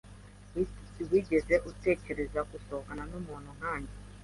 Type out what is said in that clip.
Wigeze utekereza gusohokana numuntu nkanjye?